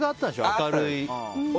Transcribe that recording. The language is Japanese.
明るい。